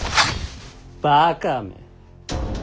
バカめ。